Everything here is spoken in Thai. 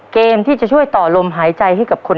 เกมที่จะช่วยต่อลมหายใจให้กับคน